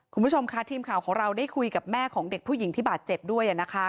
คุณผู้ชมค่ะทีมข่าวของเราได้คุยกับแม่ของเด็กผู้หญิงที่บาดเจ็บด้วยนะคะ